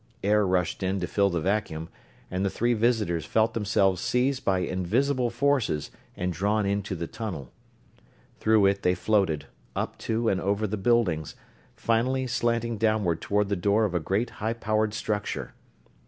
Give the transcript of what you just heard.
Air rushed in to fill the vacuum, and the three visitors felt themselves seized by invisible forces and drawn into the tunnel. Through it they floated, up to and over the buildings, finally slanting downward toward the door of a great high powered structure.